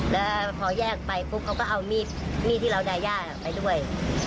แล้วพอแยกไปปุ๊บเขาก็เอามีดที่เราดาย่าไปด้วย